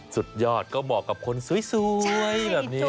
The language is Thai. สุดยอดก็เหมาะกับคนสวยแบบนี้